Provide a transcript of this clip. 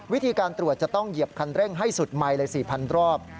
วิธีการตรวจจะต้องเหยียบคันเร่งให้สุดไมค์เลย๔๐๐รอบ